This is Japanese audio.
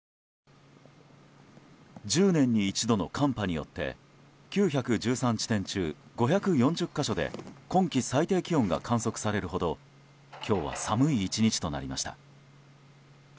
１０年に一度の寒波によって９１３地点中５４０か所で今季最低気温が観測されるほど今日は寒い１日となりました。